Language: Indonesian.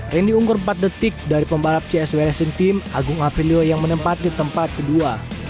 randy ungkur empat detik dari pembalap csw racing team agung aprilio yang menempat di tempat kedua